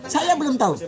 saya belum tahu